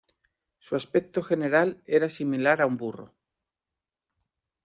Su aspecto general era similar a un burro.